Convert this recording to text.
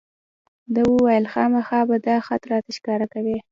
ده وویل خامخا به دا خط راته ښکاره کوې.